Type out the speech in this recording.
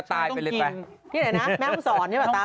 ทีไหนแล้วแม่ต้องสอนใช่ไหมตั๊ก